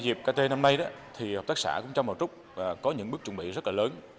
trong dịch vụ kt năm nay hợp tác xã trong bào trúc có những bước chuẩn bị rất lớn